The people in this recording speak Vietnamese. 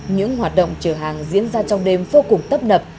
những hoạt động chở hàng diễn ra trong đêm vô cùng tấp nập